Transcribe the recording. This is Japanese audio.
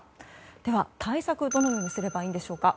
では、対策はどのようにすればいいんでしょうか。